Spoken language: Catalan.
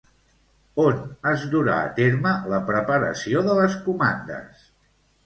On es durà a terme la preparació de les comandes?